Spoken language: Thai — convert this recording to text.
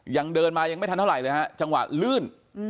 ยังเดินมายังไม่ทันเท่าไหร่เลยฮะจังหวะลื่น